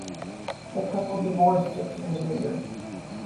The couple divorced six years later.